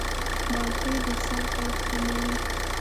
مالټې د سر درد کموي.